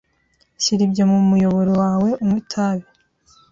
Shyira ibyo mu muyoboro wawe unywe itabi.